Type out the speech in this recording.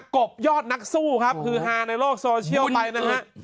บยอดนักสู้ครับคือฮาในโลกโซเชียลไปนะฮะ